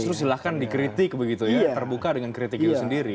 justru silahkan dikritik begitu ya terbuka dengan kritik itu sendiri